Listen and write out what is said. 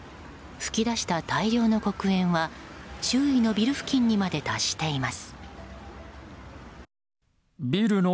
噴き出した大量の黒煙は周囲のビル付近にまで達しています。